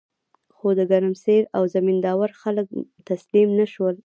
خو د ګرمسیر او زمین داور خلک تسلیم نشول.